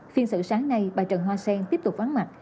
phiên xử sáng nay bà trần hoa sen tiếp tục vắng mặt